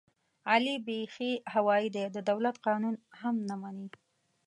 علي بیخي هوایي دی، د دولت قانون هم نه مني.